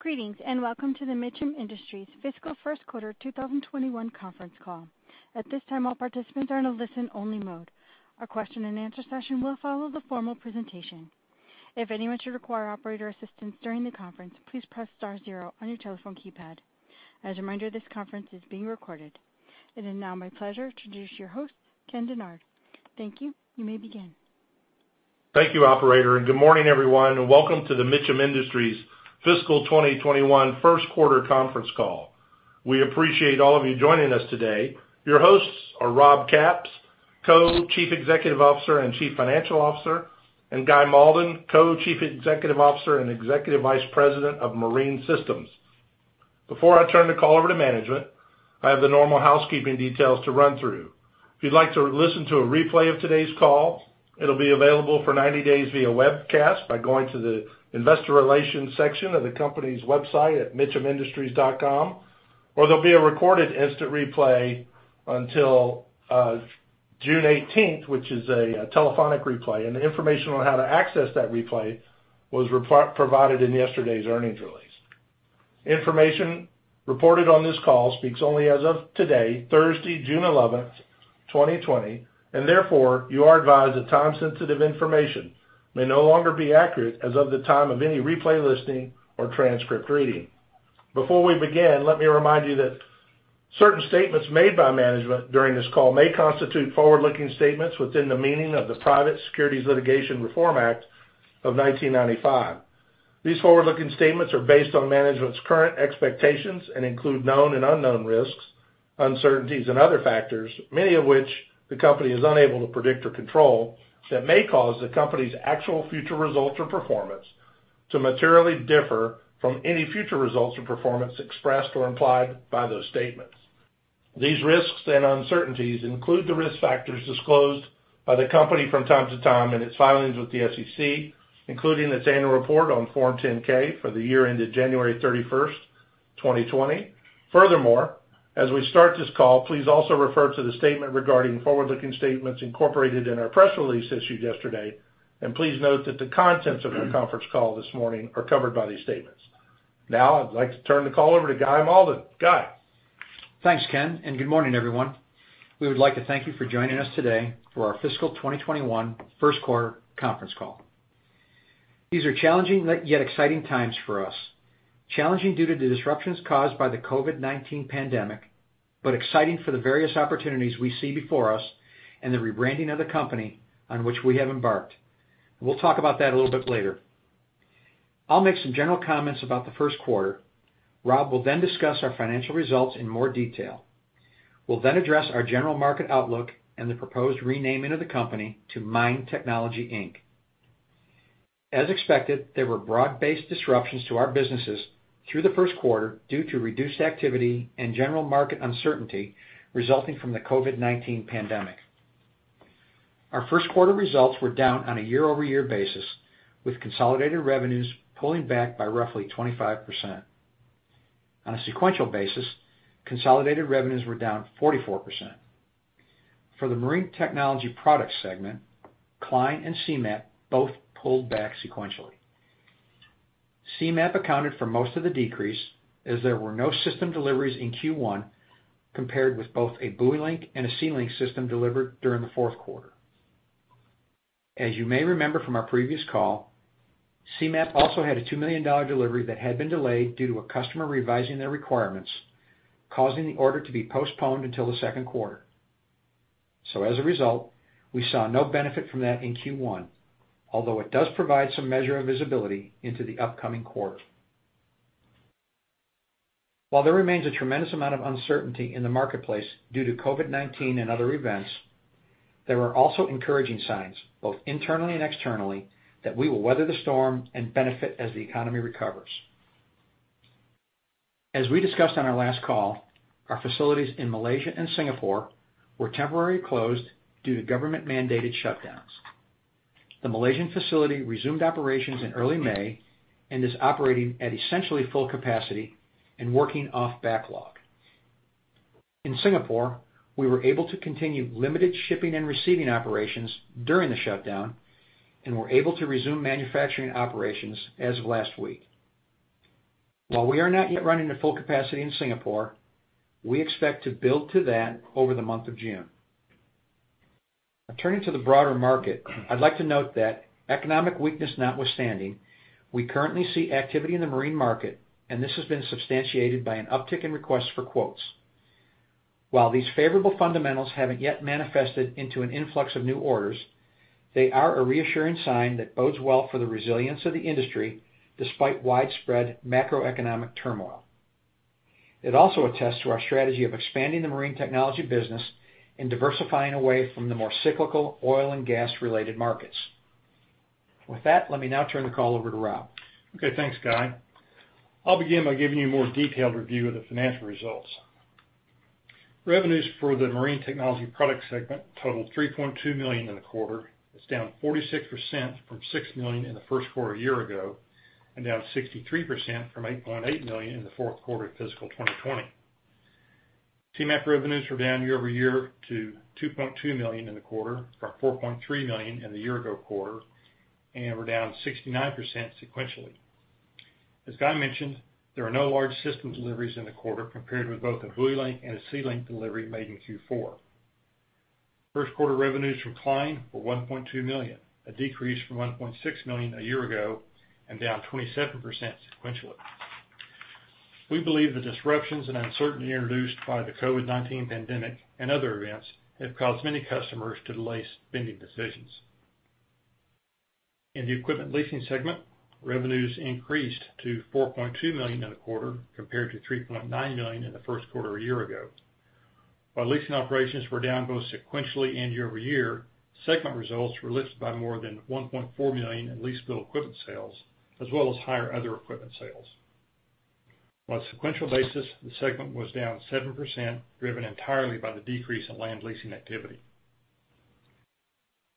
Greetings, and Welcome to the Mitcham Industries Fiscal First Quarter 2021 conference call. At this time, all participants are in a listen-only mode. A question and answer session will follow the formal presentation. If anyone should require operator assistance during the conference, please press star zero on your telephone keypad. As a reminder, this conference is being recorded. It is now my pleasure to introduce your host, Ken Dennard. Thank you. You may begin. Thank you, operator. Good morning, everyone, and Welcome to the Mitcham Industries Fiscal 2021 first quarter conference call. We appreciate all of you joining us today. Your hosts are Rob Capps, Co-Chief Executive Officer and Chief Financial Officer, and Guy Malden, Co-Chief Executive Officer and Executive Vice President of Marine Systems. Before I turn the call over to management, I have the normal housekeeping details to run through. If you'd like to listen to a replay of today's call, it'll be available for 90 days via webcast by going to the investor relations section of the company's website at mitchamindustries.com, or there'll be a recorded instant replay until June 18th, which is a telephonic replay. The information on how to access that replay was provided in yesterday's earnings release. Information reported on this call speaks only as of today, Thursday, June 11th, 2020. Therefore, you are advised that time-sensitive information may no longer be accurate as of the time of any replay listening or transcript reading. Before we begin, let me remind you that certain statements made by management during this call may constitute forward-looking statements within the meaning of the Private Securities Litigation Reform Act of 1995. These forward-looking statements are based on management's current expectations and include known and unknown risks, uncertainties, and other factors, many of which the company is unable to predict or control, that may cause the company's actual future results or performance to materially differ from any future results or performance expressed or implied by those statements. These risks and uncertainties include the risk factors disclosed by the company from time to time in its filings with the SEC, including its annual report on Form 10-K for the year ended January 31st, 2020. As we start this call, please also refer to the statement regarding forward-looking statements incorporated in our press release issued yesterday, and please note that the contents of our conference call this morning are covered by these statements. I'd like to turn the call over to Guy Malden. Guy? Thanks, Ken. Good morning, everyone. We would like to thank you for joining us today for our fiscal 2021 first-quarter conference call. These are challenging yet exciting times for us, challenging due to the disruptions caused by the COVID-19 pandemic, but exciting for the various opportunities we see before us and the rebranding of the company on which we have embarked. We'll talk about that a little bit later. I'll make some general comments about the first quarter. Rob will then discuss our financial results in more detail. We'll then address our general market outlook and the proposed renaming of the company to MIND Technology, Inc. As expected, there were broad-based disruptions to our businesses through the first quarter due to reduced activity and general market uncertainty resulting from the COVID-19 pandemic. Our first quarter results were down on a year-over-year basis, with consolidated revenues pulling back by roughly 25%. On a sequential basis, consolidated revenues were down 44%. For the Marine Technology Products segment, Klein and Seamap both pulled back sequentially. Seamap accounted for most of the decrease as there were no system deliveries in Q1 compared with both a BuoyLink and a SeaLink system delivered during the fourth quarter. As you may remember from our previous call, Seamap also had a $2 million delivery that had been delayed due to a customer revising their requirements, causing the order to be postponed until the second quarter. As a result, we saw no benefit from that in Q1, although it does provide some measure of visibility into the upcoming quarter. While there remains a tremendous amount of uncertainty in the marketplace due to COVID-19 and other events, there are also encouraging signs, both internally and externally, that we will weather the storm and benefit as the economy recovers. As we discussed on our last call, our facilities in Malaysia and Singapore were temporarily closed due to government-mandated shutdowns. The Malaysian facility resumed operations in early May and is operating at essentially full capacity and working off backlog. In Singapore, we were able to continue limited shipping and receiving operations during the shutdown and were able to resume manufacturing operations as of last week. While we are not yet running at full capacity in Singapore, we expect to build to that over the month of June. Turning to the broader market, I'd like to note that economic weakness notwithstanding, we currently see activity in the marine market, and this has been substantiated by an uptick in requests for quotes. While these favorable fundamentals haven't yet manifested into an influx of new orders, they are a reassuring sign that bodes well for the resilience of the industry despite widespread macroeconomic turmoil. It also attests to our strategy of expanding the Marine Technology Products and diversifying away from the more cyclical oil and gas-related markets. With that, let me now turn the call over to Rob. Okay, thanks, Guy. I'll begin by giving you a more detailed review of the financial results. Revenues for the Marine Technology Products segment totaled $3.2 million in the quarter. It's down 46% from $6 million in the first quarter a year ago, and down 63% from $8.8 million in the fourth quarter of fiscal 2020. Seamap revenues were down year-over-year to $2.2 million in the quarter, from $4.3 million in the year ago quarter, and were down 69% sequentially. As Guy mentioned, there are no large systems deliveries in the quarter compared with both a BuoyLink and a SeaLink delivery made in Q4. First quarter revenues declined for $1.2 million, a decrease from $1.6 million a year ago and down 27% sequentially. We believe the disruptions and uncertainty introduced by the COVID-19 pandemic and other events have caused many customers to delay spending decisions. In the equipment leasing segment, revenues increased to $4.2 million in the quarter compared to $3.9 million in the first quarter a year ago. While leasing operations were down both sequentially and year-over-year, segment results were lifted by more than $1.4 million in lease bill equipment sales as well as higher other equipment sales. On a sequential basis, the segment was down 7%, driven entirely by the decrease in land leasing activity.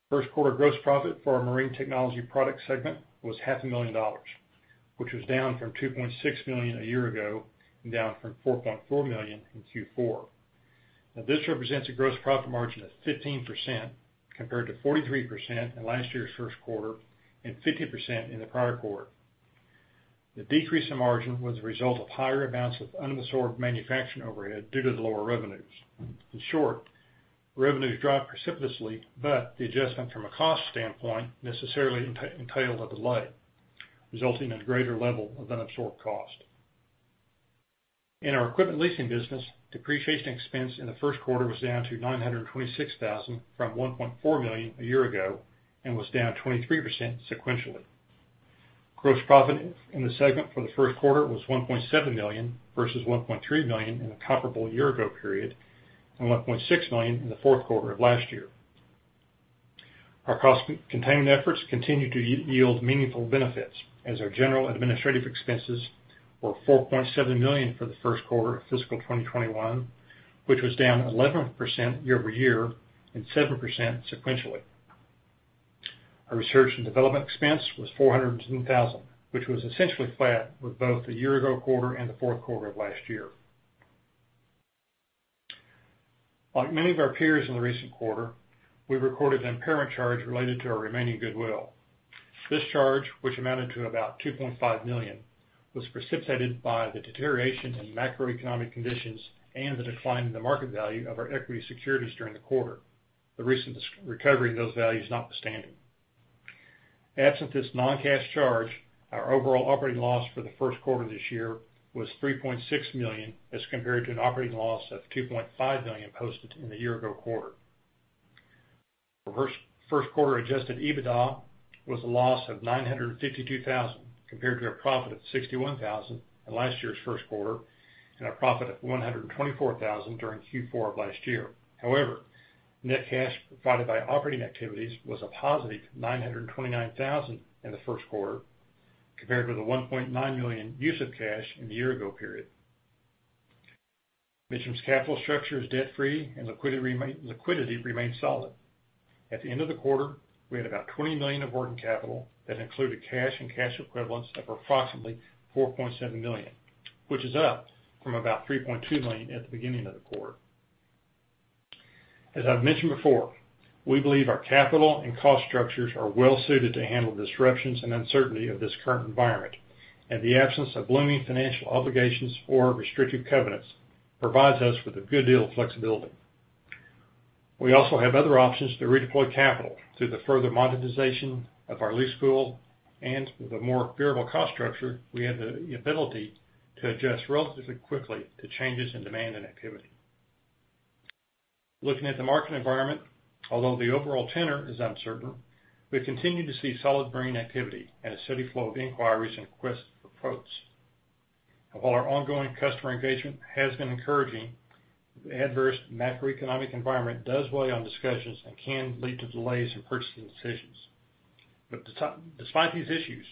First quarter gross profit for our Marine Technology Products segment was $500,000, which was down from $2.6 million a year ago and down from $4.4 million in Q4. This represents a gross profit margin of 15%, compared to 43% in last year's first quarter and 50% in the prior quarter. The decrease in margin was a result of higher amounts of unabsorbed manufacturing overhead due to the lower revenues. In short, revenues dropped precipitously but the adjustment from a cost standpoint necessarily entailed a delay, resulting in a greater level of unabsorbed cost. In our equipment leasing business, depreciation expense in the first quarter was down to $926,000 from $1.4 million a year ago and was down 23% sequentially. Gross profit in the segment for the first quarter was $1.7 million versus $1.3 million in the comparable year ago period and $1.6 million in the fourth quarter of last year. Our cost containment efforts continue to yield meaningful benefits as our general administrative expenses were $4.7 million for the first quarter of fiscal 2021, which was down 11% year-over-year and 7% sequentially. Our research and development expense was $417,000, which was essentially flat with both the year ago quarter and the fourth quarter of last year. Like many of our peers in the recent quarter, we recorded an impairment charge related to our remaining goodwill. This charge, which amounted to about $2.5 million, was precipitated by the deterioration in macroeconomic conditions and the decline in the market value of our equity securities during the quarter. The recent recovery of those values notwithstanding. Absent this non-cash charge, our overall operating loss for the first quarter of this year was $3.6 million as compared to an operating loss of $2.5 million posted in the year ago quarter. Reverse first quarter adjusted EBITDA was a loss of $952,000 compared to a profit of $61,000 in last year's first quarter and a profit of $124,000 during Q4 of last year. However, net cash provided by operating activities was a positive $929,000 in the first quarter, compared with the $1.9 million use of cash in the year ago period. MIND Technology's capital structure is debt-free and liquidity remains solid. At the end of the quarter, we had about $20 million of working capital that included cash and cash equivalents of approximately $4.7 million, which is up from about $3.2 million at the beginning of the quarter. As I've mentioned before, we believe our capital and cost structures are well suited to handle the disruptions and uncertainty of this current environment, and the absence of looming financial obligations or restrictive covenants provides us with a good deal of flexibility. We also have other options to redeploy capital through the further monetization of our lease pool and with a more variable cost structure, we have the ability to adjust relatively quickly to changes in demand and activity. Looking at the market environment, although the overall tenor is uncertain, we continue to see solid marine activity and a steady flow of inquiries and requests for quotes. While our ongoing customer engagement has been encouraging, the adverse macroeconomic environment does weigh on discussions and can lead to delays in purchasing decisions. Despite these issues,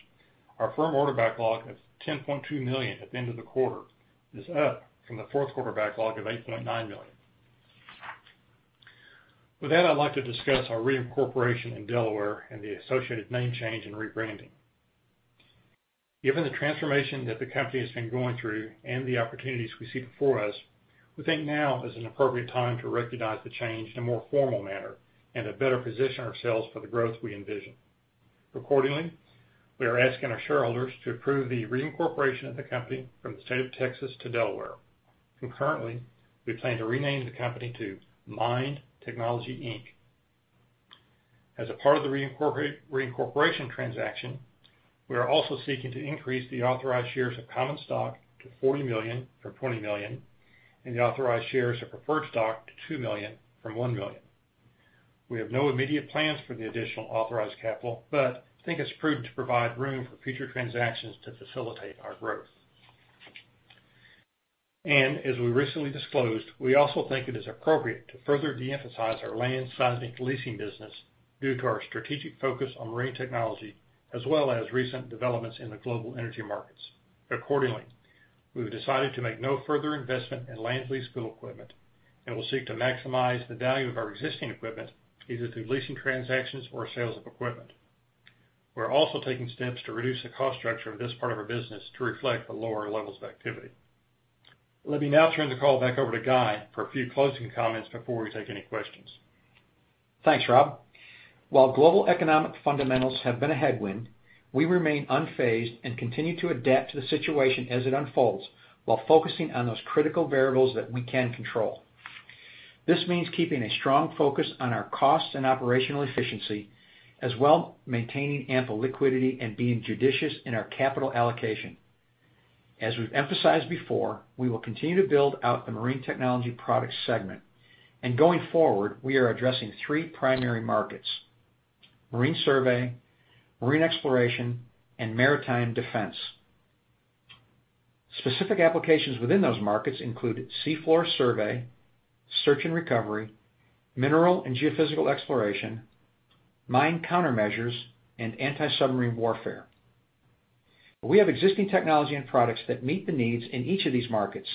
our firm order backlog of $10.2 million at the end of the quarter is up from the fourth quarter backlog of $8.9 million. With that, I'd like to discuss our reincorporation in Delaware and the associated name change and rebranding. Given the transformation that the company has been going through and the opportunities we see before us, we think now is an appropriate time to recognize the change in a more formal manner and to better position ourselves for the growth we envision. Accordingly, we are asking our shareholders to approve the reincorporation of the company from the state of Texas to Delaware. Concurrently, we plan to rename the company to MIND Technology, Inc. As a part of the reincorporation transaction, we are also seeking to increase the authorized shares of common stock to 40 million from 20 million and the authorized shares of preferred stock to 2 million from 1 million. We have no immediate plans for the additional authorized capital, but think it's prudent to provide room for future transactions to facilitate our growth. As we recently disclosed, we also think it is appropriate to further de-emphasize our land seismic leasing business due to our strategic focus on marine technology as well as recent developments in the global energy markets. Accordingly, we have decided to make no further investment in land lease pool equipment and will seek to maximize the value of our existing equipment either through leasing transactions or sales of equipment. We are also taking steps to reduce the cost structure of this part of our business to reflect the lower levels of activity. Let me now turn the call back over to Guy for a few closing comments before we take any questions. Thanks, Rob. While global economic fundamentals have been a headwind, we remain unfazed and continue to adapt to the situation as it unfolds, while focusing on those critical variables that we can control. This means keeping a strong focus on our cost and operational efficiency, as well maintaining ample liquidity and being judicious in our capital allocation. As we've emphasized before, we will continue to build out the Marine Technology Products segment. Going forward, we are addressing three primary markets: marine survey, marine exploration, and maritime defense. Specific applications within those markets include seafloor survey, search and recovery, mineral and geophysical exploration, mine countermeasures, and anti-submarine warfare. We have existing technology and products that meet the needs in each of these markets,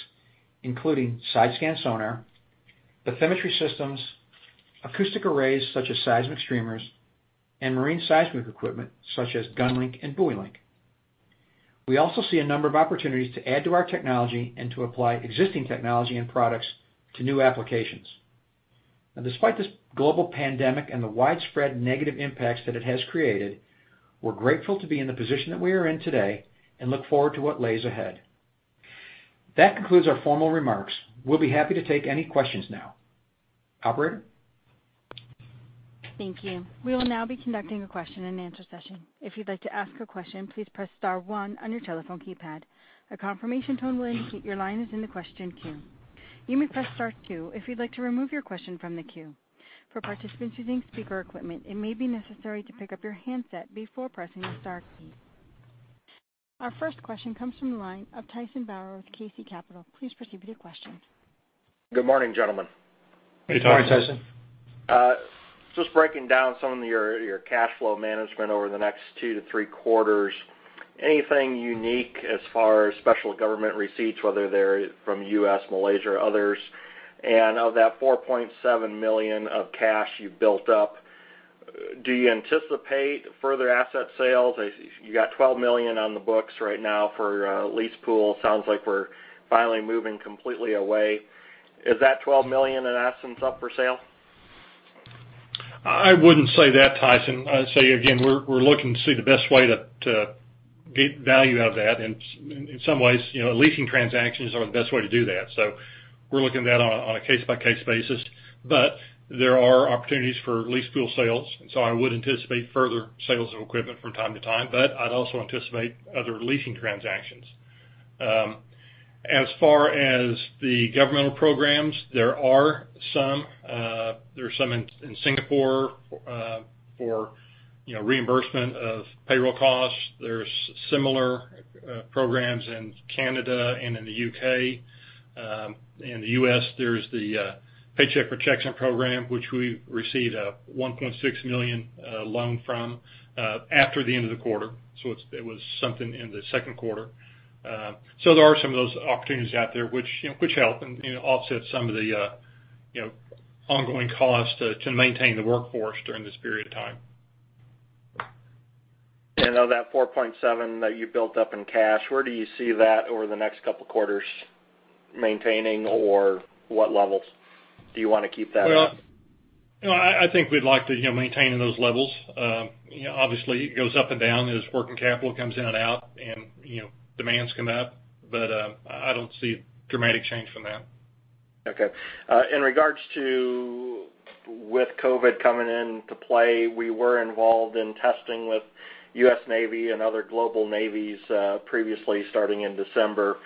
including side-scan sonar, bathymetry systems, acoustic arrays such as seismic streamers, and marine seismic equipment such as GunLink and BuoyLink. We also see a number of opportunities to add to our technology and to apply existing technology and products to new applications. Now, despite this global pandemic and the widespread negative impacts that it has created, we're grateful to be in the position that we are in today, and look forward to what lies ahead. That concludes our formal remarks. We'll be happy to take any questions now. Operator? Thank you. We will now be conducting a question and answer session. If you'd like to ask a question, please press star one on your telephone keypad. A confirmation tone will indicate your line is in the question queue. You may press star two if you'd like to remove your question from the queue. For participants using speaker equipment, it may be necessary to pick up your handset before pressing the star key. Our first question comes from the line of Tyson Bauer with KC Capital. Please proceed with your question. Good morning, gentlemen. Good morning, Tyson. Hey, Tyson. Just breaking down some of your cash flow management over the next two to three quarters, anything unique as far as special government receipts, whether they're from U.S., Malaysia, or others? Of that $4.7 million of cash you've built up, do you anticipate further asset sales? You got $12 million on the books right now for lease pool. Sounds like we're finally moving completely away. Is that $12 million in assets up for sale? I wouldn't say that, Tyson. I'd say again, we're looking to see the best way to get value out of that. In some ways, leasing transactions are the best way to do that. We're looking at that on a case-by-case basis, but there are opportunities for lease pool sales. I would anticipate further sales of equipment from time to time, but I'd also anticipate other leasing transactions. As far as the governmental programs, there are some. There's some in Singapore for reimbursement of payroll costs. There's similar programs in Canada and in the U.K. In the U.S., there's the Paycheck Protection Program, which we received a $1.6 million loan from after the end of the quarter. It was something in the second quarter. There are some of those opportunities out there which help and offset some of the ongoing costs to maintain the workforce during this period of time. Of that $4.7 that you built up in cash, where do you see that over the next couple of quarters maintaining, or what levels do you want to keep that at? Well, I think we'd like to maintain those levels. Obviously, it goes up and down as working capital comes in and out and demands come up. I don't see dramatic change from that. Okay. In regards to with COVID coming into play, we were involved in testing with U.S. Navy and other global navies previously starting in December.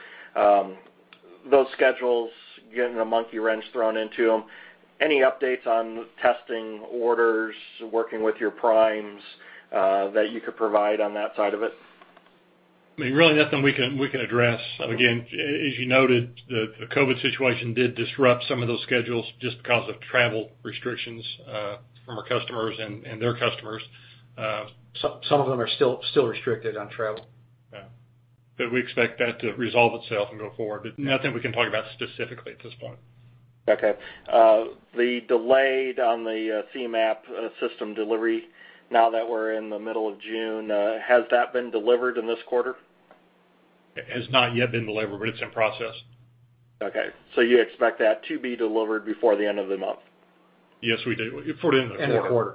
Those schedules getting a monkey wrench thrown into them. Any updates on testing orders, working with your primes, that you could provide on that side of it? Really nothing we can address. Again, as you noted, the COVID situation did disrupt some of those schedules just because of travel restrictions from our customers and their customers. Some of them are still restricted on travel. Yeah. We expect that to resolve itself and go forward. Nothing we can talk about specifically at this point. The delay on the Seamap System delivery, now that we're in the middle of June, has that been delivered in this quarter? It has not yet been delivered, but it's in process. Okay. You expect that to be delivered before the end of the month? Yes, we do. Before the end of the quarter. End of quarter.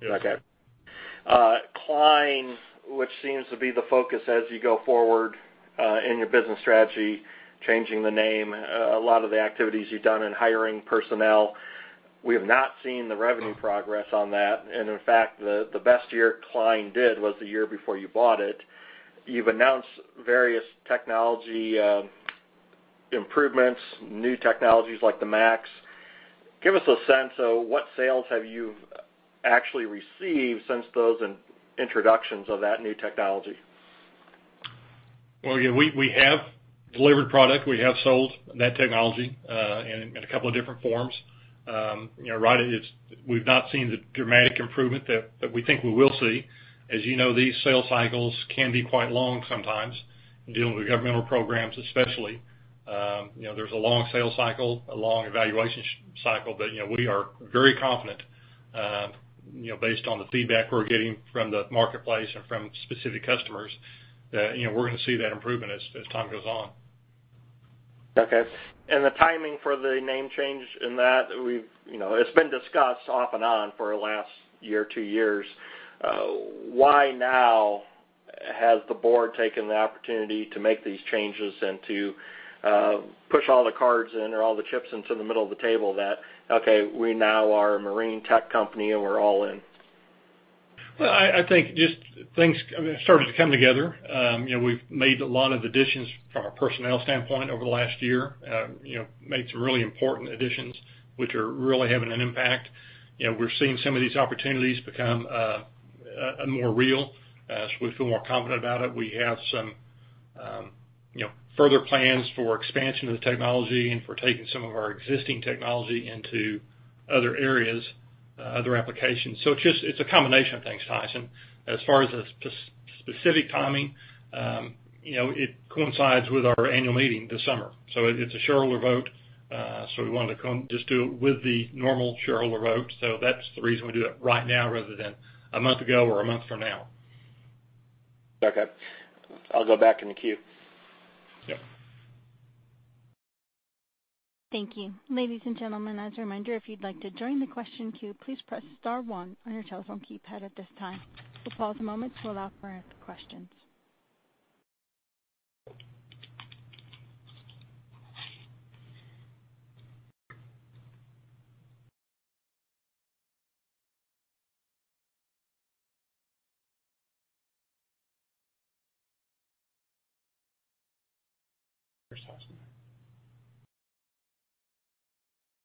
Yes. Okay. Klein, which seems to be the focus as you go forward, in your business strategy, changing the name, a lot of the activities you've done in hiring personnel. We have not seen the revenue progress on that, and in fact, the best year Klein did was the year before you bought it. You've announced various technology improvements, new technologies like the MA-X. Give us a sense of what sales have you actually received since those introductions of that new technology. Well, yeah, we have delivered product. We have sold that technology in a couple of different forms. We've not seen the dramatic improvement that we think we will see. As you know, these sales cycles can be quite long sometimes, dealing with governmental programs especially. There's a long sales cycle, a long evaluation cycle, we are very confident, based on the feedback we're getting from the marketplace and from specific customers, that we're going to see that improvement as time goes on. Okay. The timing for the name change in that, it's been discussed off and on for the last year, two years. Why now has the board taken the opportunity to make these changes and to push all the cards in or all the chips into the middle of the table that, okay, we now are a marine technology company and we're all in? Well, I think just things started to come together. We've made a lot of additions from a personnel standpoint over the last year. Made some really important additions which are really having an impact. We're seeing some of these opportunities become more real. We feel more confident about it. We have some further plans for expansion of the technology and for taking some of our existing technology into other areas, other applications. It's a combination of things, Tyson. As far as the specific timing, it coincides with our annual meeting this summer. It's a shareholder vote, so we wanted to just do it with the normal shareholder vote. That's the reason we do it right now rather than a month ago or a month from now. Okay. I'll go back in the queue. Yep. Thank you. Ladies and gentlemen, as a reminder, if you'd like to join the question queue, please press star one on your telephone keypad at this time. We'll pause a moment to allow for questions.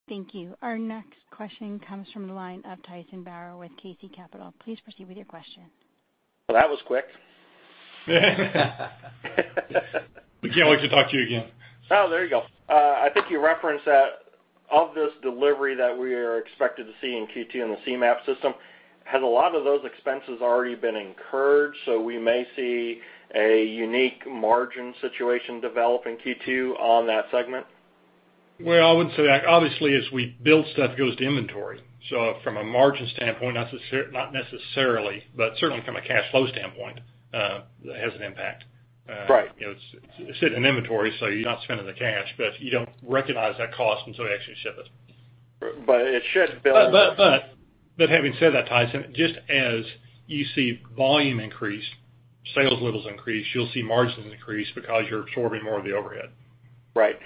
Thank you. Our next question comes from the line of Tyson Bauer with KC Capital. Please proceed with your question. Well, that was quick. We can't wait to talk to you again. Oh, there you go. I think you referenced that of this delivery that we are expected to see in Q2 in the Seamap System, has a lot of those expenses already been incurred? We may see a unique margin situation develop in Q2 on that segment? I wouldn't say that. Obviously, as we build stuff, it goes to inventory. From a margin standpoint, not necessarily, but certainly from a cash flow standpoint, it has an impact. Right. It's sitting in inventory, so you're not spending the cash, but you don't recognize that cost until you actually ship it. But it should- Having said that, Tyson, just as you see volume increase, sales levels increase, you'll see margins increase because you're absorbing more of the overhead. Right.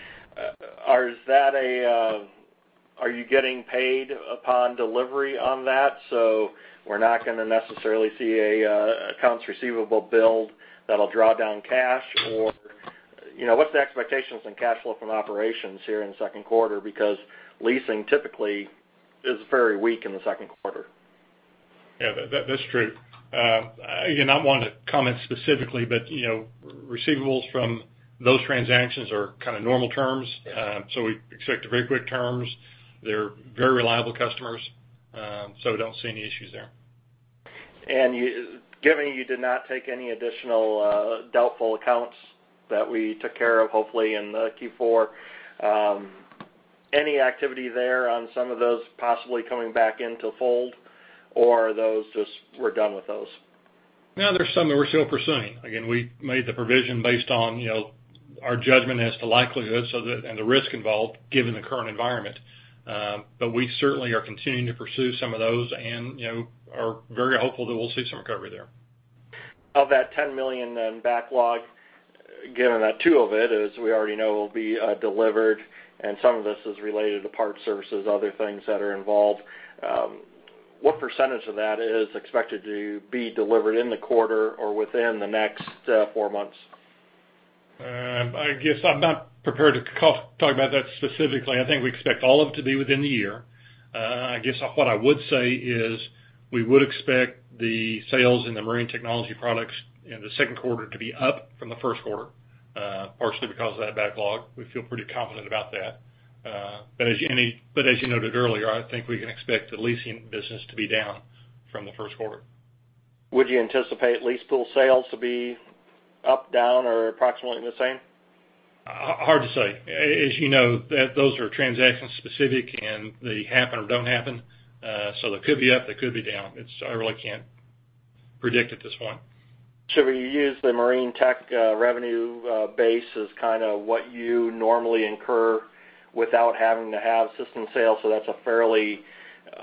Are you getting paid upon delivery on that, so we're not going to necessarily see an accounts receivable build that'll draw down cash? What's the expectations on cash flow from operations here in the second quarter? Leasing typically is very weak in the second quarter. Yeah, that's true. Again, I don't want to comment specifically, but receivables from those transactions are kind of normal terms. We expect very quick terms. They're very reliable customers, so we don't see any issues there. Given you did not take any additional doubtful accounts that we took care of, hopefully in Q4, any activity there on some of those possibly coming back into fold, or those just we're done with those? No, there's some that we're still pursuing. Again, we made the provision based on our judgment as to likelihood and the risk involved given the current environment. We certainly are continuing to pursue some of those and are very hopeful that we'll see some recovery there. Of that $10 million in backlog, given that two of it, as we already know, will be delivered and some of this is related to parts services, other things that are involved, what percentage of that is expected to be delivered in the quarter or within the next four months? I guess I'm not prepared to talk about that specifically. I think we expect all of it to be within the year. I guess what I would say is we would expect the sales in the Marine Technology Products in the second quarter to be up from the first quarter, partially because of that backlog. We feel pretty confident about that. As you noted earlier, I think we can expect the leasing business to be down from the first quarter. Would you anticipate lease pool sales to be up, down, or approximately the same? Hard to say. As you know, those are transaction specific, and they happen or don't happen. They could be up, they could be down. I really can't predict at this point. Should we use the marine technology revenue base as kind of what you normally incur without having to have system sales, so that's a fairly,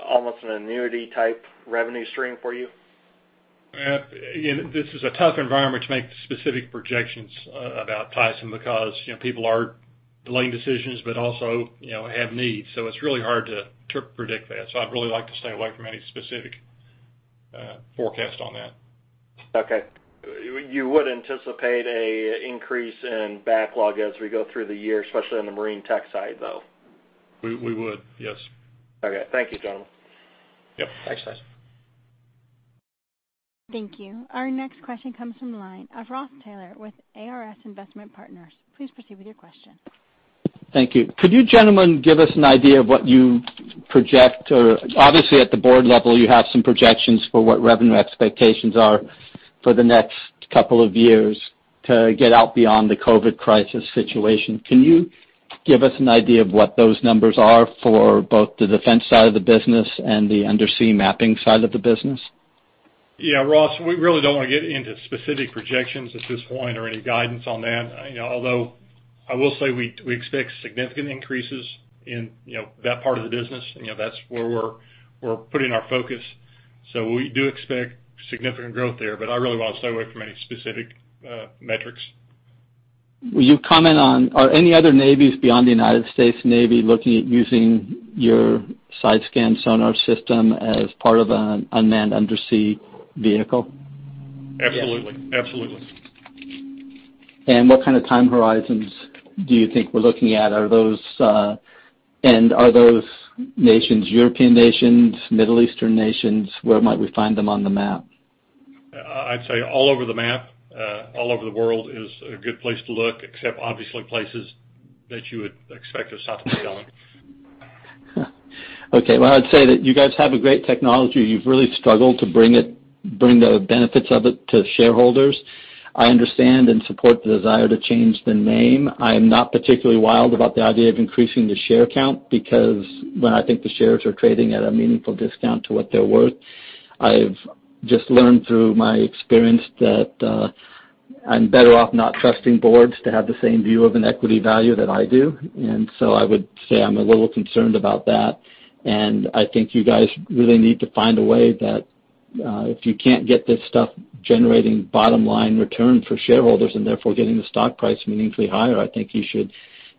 almost an annuity type revenue stream for you? This is a tough environment to make specific projections about, Tyson, because people are delaying decisions, but also have needs. It's really hard to predict that. I'd really like to stay away from any specific forecast on that. Okay. You would anticipate a increase in backlog as we go through the year, especially on the marine tech side, though? We would, yes. Okay. Thank you, gentlemen. Yep. Thanks, Tyson. Thank you. Our next question comes from the line of Ross Taylor with ARS Investment Partners. Please proceed with your question. Thank you. Could you gentlemen give us an idea of what you project, or obviously at the board level, you have some projections for what revenue expectations are for the next couple of years to get out beyond the COVID crisis situation. Can you give us an idea of what those numbers are for both the defense side of the business and the undersea mapping side of the business? Yeah, Ross, we really don't want to get into specific projections at this point or any guidance on that. I will say we expect significant increases in that part of the business. That's where we're putting our focus. We do expect significant growth there, but I really want to stay away from any specific metrics. Will you comment on, are any other navies beyond the United States Navy looking at using your side-scan sonar system as part of an unmanned undersea vehicle? Absolutely. What kind of time horizons do you think we're looking at? Are those nations European nations, Middle Eastern nations? Where might we find them on the map? I'd say all over the map. All over the world is a good place to look, except obviously places that you would expect us not to be on. Okay. Well, I'd say that you guys have a great technology. You've really struggled to bring the benefits of it to shareholders. I understand and support the desire to change the name. I am not particularly wild about the idea of increasing the share count, because when I think the shares are trading at a meaningful discount to what they're worth, I've just learned through my experience that I'm better off not trusting boards to have the same view of an equity value that I do. I would say I'm a little concerned about that. I think you guys really need to find a way that if you can't get this stuff generating bottom-line return for shareholders, and therefore getting the stock price meaningfully higher, I think you should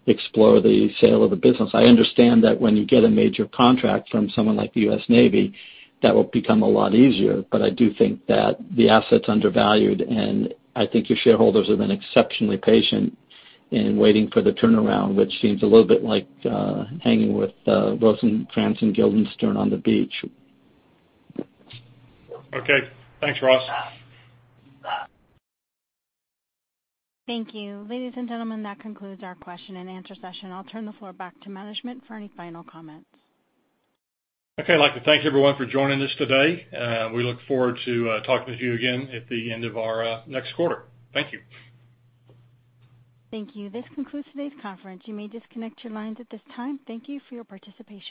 explore the sale of the business. I understand that when you get a major contract from someone like the U.S. Navy, that will become a lot easier. I do think that the asset's undervalued, and I think your shareholders have been exceptionally patient in waiting for the turnaround, which seems a little bit like hanging with Rosencrantz and Guildenstern on the beach. Okay. Thanks, Ross. Thank you. Ladies and gentlemen, that concludes our question and answer session. I'll turn the floor back to management for any final comments. Okay. I'd like to thank everyone for joining us today. We look forward to talking to you again at the end of our next quarter. Thank you. Thank you. This concludes today's conference. You may disconnect your lines at this time. Thank you for your participation.